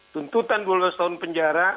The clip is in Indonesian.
tuntutan dua belas tahun penjara